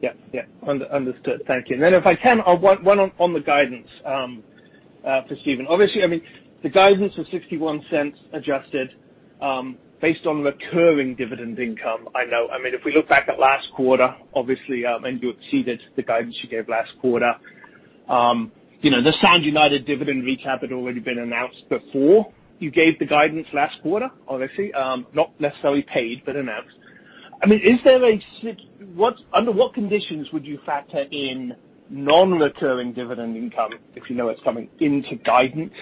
[SPEAKER 12] Yeah. Yeah. Understood. Thank you. And then if I can, one on the guidance for Steven. Obviously, I mean, the guidance of $0.61 adjusted based on recurring dividend income, I know. I mean, if we look back at last quarter, obviously, and you exceeded the guidance you gave last quarter, the Sound United dividend recap had already been announced before you gave the guidance last quarter, obviously. Not necessarily paid, but announced. I mean, is there, under what conditions would you factor in non-recurring dividend income if you know it's coming into guidance?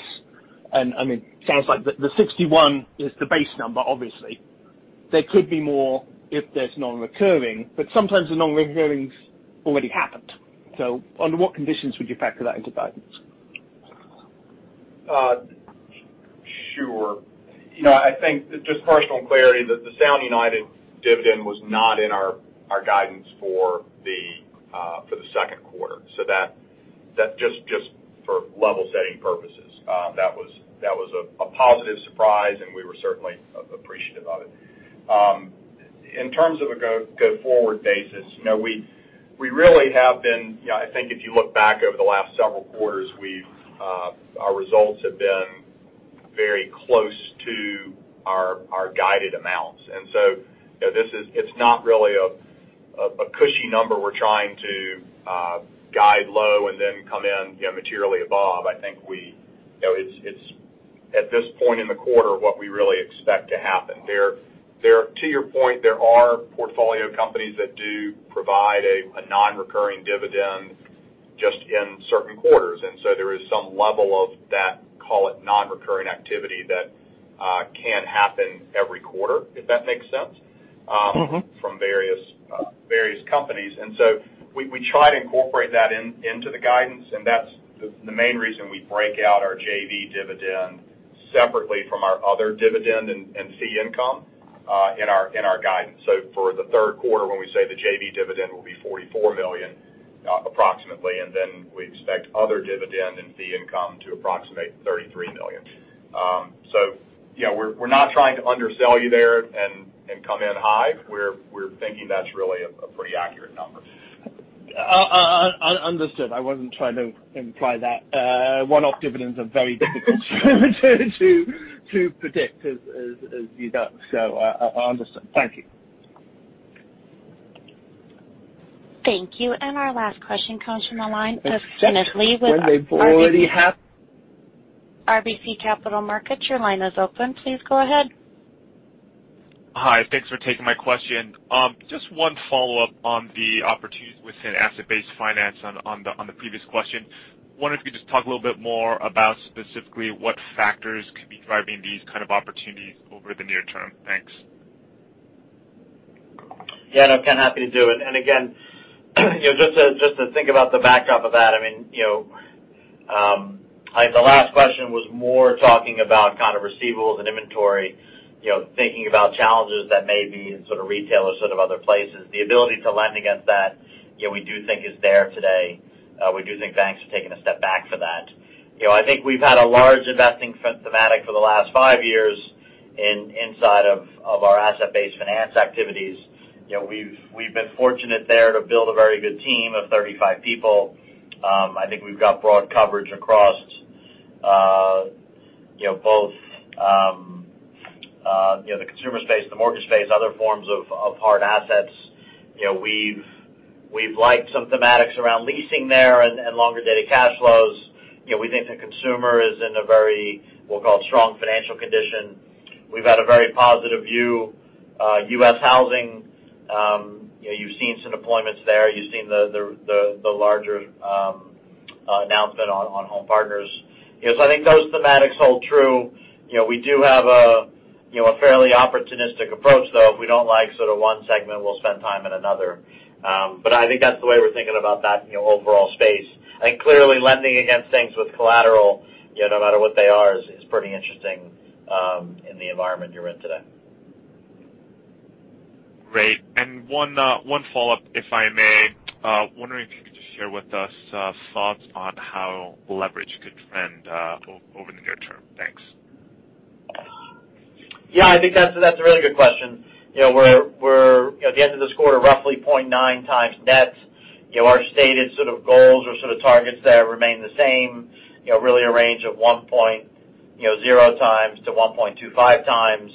[SPEAKER 12] And I mean, it sounds like the $0.61 is the base number, obviously. There could be more if there's non-recurring, but sometimes the non-recurring's already happened. So under what conditions would you factor that into guidance?
[SPEAKER 4] Sure. I think just for personal clarity, the Sound United dividend was not in our guidance for the second quarter. So that just for level-setting purposes, that was a positive surprise, and we were certainly appreciative of it. In terms of a going forward basis, we really have been. I think if you look back over the last several quarters, our results have been very close to our guided amounts. And so it's not really a cushy number we're trying to guide low and then come in materially above. I think it's at this point in the quarter what we really expect to happen. To your point, there are portfolio companies that do provide a non-recurring dividend just in certain quarters. And so there is some level of that, call it non-recurring activity that can happen every quarter, if that makes sense, from various companies. We try to incorporate that into the guidance. That's the main reason we break out our JV dividend separately from our other dividend and fee income in our guidance. For the third quarter, when we say the JV dividend will be approximately $44 million, and then we expect other dividend and fee income to approximate $33 million. We're not trying to undersell you there and come in high. We're thinking that's really a pretty accurate number.
[SPEAKER 12] Understood. I wasn't trying to imply that one-off dividends are very difficult to predict as you go. So I understand. Thank you.
[SPEAKER 1] Thank you. And our last question comes from the line of. Kenneth Lee RBC Capital Markets, your line is open. Please go ahead.
[SPEAKER 13] Hi. Thanks for taking my question. Just one follow-up on the opportunities within asset-based finance on the previous question. Wonder if you could just talk a little bit more about specifically what factors could be driving these kind of opportunities over the near term? Thanks.
[SPEAKER 4] Yeah. No, I'm happy to do it. And again, just to think about the backdrop of that, I mean, the last question was more talking about kind of receivables and inventory, thinking about challenges that may be in sort of retail or sort of other places. The ability to lend against that, we do think is there today. We do think banks are taking a step back for that. I think we've had a large investing thematic for the last five years inside of our asset-based finance activities. We've been fortunate there to build a very good team of 35 people. I think we've got broad coverage across both the consumer space, the mortgage space, other forms of hard assets. We've liked some thematics around leasing there and longer-dated cash flows. We think the consumer is in a very, we'll call it strong financial condition. We've had a very positive view, U.S. housing. You've seen some deployments there. You've seen the larger announcement on Home Partners. So I think those thematics hold true. We do have a fairly opportunistic approach, though. If we don't like sort of one segment, we'll spend time in another. But I think that's the way we're thinking about that overall space. I think clearly lending against things with collateral, no matter what they are, is pretty interesting in the environment you're in today.
[SPEAKER 13] Great. And one follow-up, if I may. Wondering if you could just share with us thoughts on how leverage could trend over the near term? Thanks.
[SPEAKER 4] Yeah. I think that's a really good question. We're at the end of this quarter, roughly 0.9 times net. Our stated sort of goals or sort of targets there remain the same, really a range of 1.0 times to 1.25 times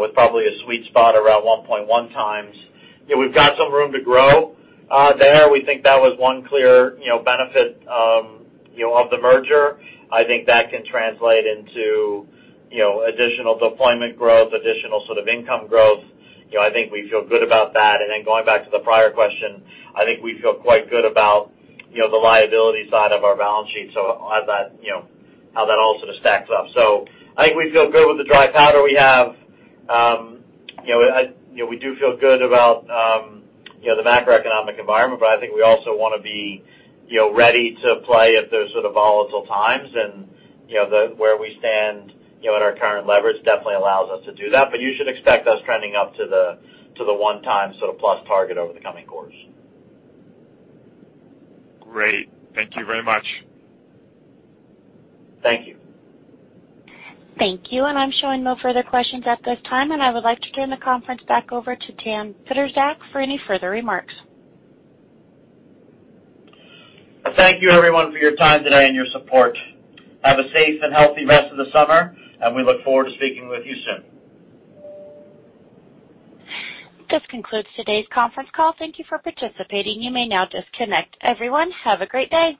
[SPEAKER 4] with probably a sweet spot around 1.1 times. We've got some room to grow there. We think that was one clear benefit of the merger. I think that can translate into additional deployment growth, additional sort of income growth. I think we feel good about that. And then going back to the prior question, I think we feel quite good about the liability side of our balance sheets, so how that all sort of stacks up. So I think we feel good with the dry powder we have. We do feel good about the macroeconomic environment, but I think we also want to be ready to play if there's sort of volatile times, and where we stand at our current leverage definitely allows us to do that, but you should expect us trending up to the one times sort of plus target over the coming quarters.
[SPEAKER 13] Great. Thank you very much.
[SPEAKER 4] Thank you.
[SPEAKER 1] Thank you. And I'm showing no further questions at this time. And I would like to turn the conference back over to Dan Pietrzak for any further remarks.
[SPEAKER 4] Thank you, everyone, for your time today and your support. Have a safe and healthy rest of the summer, and we look forward to speaking with you soon.
[SPEAKER 1] This concludes today's conference call. Thank you for participating. You may now disconnect. Everyone, have a great day.